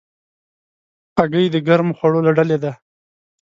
هګۍ د ګرمو خوړو له ډلې ده.